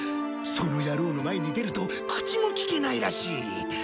その野郎の前に出ると口も利けないらしい。